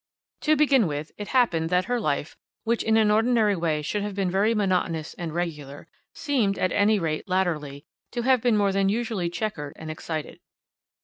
"To begin with, it happened that her life, which in an ordinary way should have been very monotonous and regular, seemed, at any rate latterly, to have been more than usually chequered and excited.